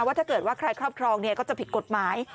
ถ้าเกิดว่าใครครอบครองก็จะผิดกฎหมาย